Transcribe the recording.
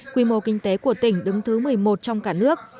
quy mô kinh tế của tỉnh đứng thứ một mươi một trong cả nước